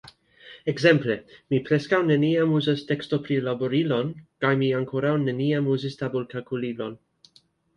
Ekzemple, mi preskaŭ neniam uzas tekstoprilaborilon, kaj mi ankoraŭ neniam uzis tabelkalkulilon.